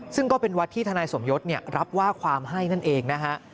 ซึ่งก็เป็นวัดที่ทนายสมยศรับว่าความให้นั่นเองนะฮะ